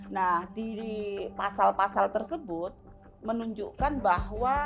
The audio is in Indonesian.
nah di pasal pasal tersebut menunjukkan bahwa